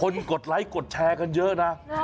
กดไลค์กดแชร์กันเยอะนะ